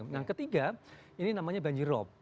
yang ketiga ini namanya banjir rob